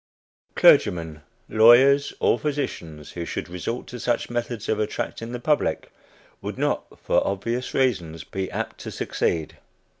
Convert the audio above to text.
Clergymen, lawyers, or physicians, who should resort to such methods of attracting the public, would not, for obvious reasons, be apt to succeed.